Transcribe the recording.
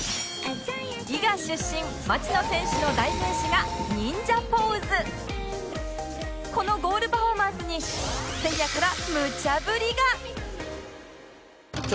伊賀出身町野選手のこのゴールパフォーマンスにせいやからムチャ振りが